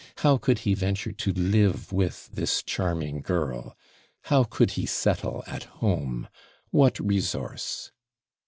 How could he venture to live with this charming girl? How could he settle at home? What resource?